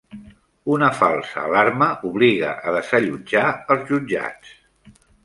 Una falsa alarma obliga a desallotjar els jutjats.